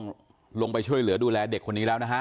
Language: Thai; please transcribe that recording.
ลงไปช่วยเหลือดูแลเด็กคนนี้แล้วนะฮะ